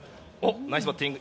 ナイスバッティング！